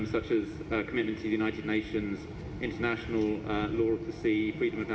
seperti komitmen kepada negara negara kebijakan internasional kebijakan untuk bernafas dan sebagainya